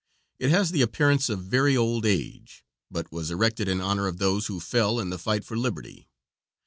It has the appearance of very old age, but was erected in honor of those who fell in the fight for liberty.